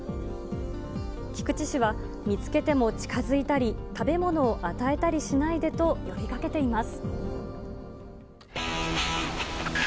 菊池市は、見つけても近づいたり、食べ物を与えたりしないでと呼びかけています。